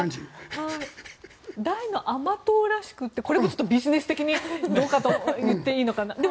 大の甘党らしくてこれもビジネス的に言っていいのかな。